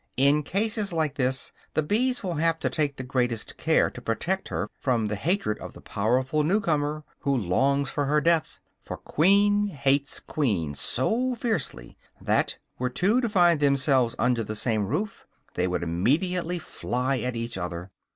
In cases like this the bees will have to take the greatest care to protect her from the hatred of the powerful newcomer who longs for her death; for queen hates queen so fiercely that, were two to find themselves under the same roof, they would immediately fly at each other.